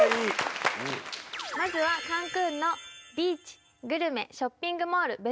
まずはカンクンのビーチグルメショッピングモール